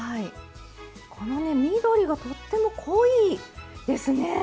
緑がとっても濃いですね。